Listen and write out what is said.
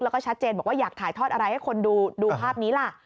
แล้วก็ชัดเจนบอกว่าอยากถ่ายทอดอะไรให้คนดูภาพนี้ล่ะ